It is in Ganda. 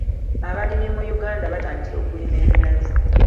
Abalimi mu Uganda batandise okulima ebinazi.